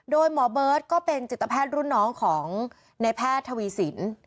โดยหมอเบิร์ตก็เป็นจิตแพทย์รุ่นน้องของในแพทย์ทวีสิน